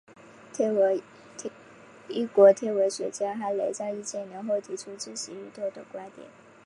英国天文学家哈雷在一千年后提出自行运动的观点。